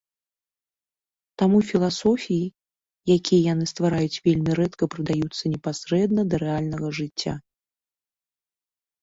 Таму філасофіі, якія яны ствараюць, вельмі рэдка прыдаюцца непасрэдна да рэальнага жыцця.